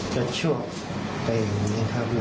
ใช่ครับ